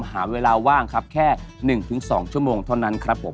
หาเวลาว่างครับแค่หนึ่งถึงสองชั่วโมงเท่านั้นครับผม